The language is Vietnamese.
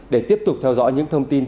để tiếp tục theo dõi những thông tin